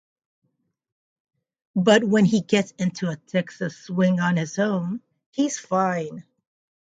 But when he gets into a Texas swing on his own he's fine.